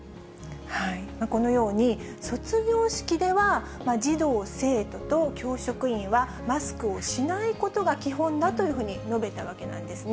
このように、卒業式では児童・生徒と教職員は、マスクをしないことが基本だというふうに述べたわけなんですね。